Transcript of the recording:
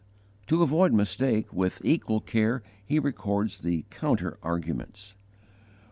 To avoid mistake, with equal care he records the counter arguments.